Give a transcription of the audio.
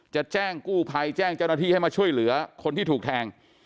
จะแจ้งกู้ภัยแจ้งเจ้าหน้าที่ให้มาช่วยเหลือคนที่ถูกแทง